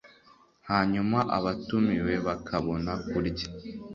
hanyuma abatumiwe bakabona kurya